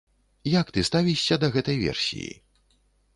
Як ты ставішся да гэтай версіі?